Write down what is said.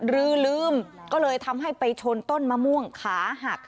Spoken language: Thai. ลืมก็เลยทำให้ไปชนต้นมะม่วงขาหัก